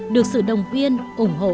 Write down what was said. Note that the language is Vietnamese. được sự đồng quyên ủng hộ